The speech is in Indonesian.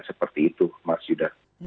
seperti itu mas yudha